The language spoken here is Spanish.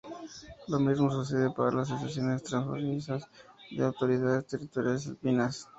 Lo mismo sucede para las asociaciones transfronterizas de autoridades territoriales alpinas.